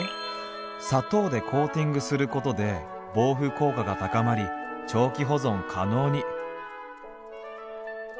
「砂糖でコーティングすることで防腐効果が高まり長期保存可能に」。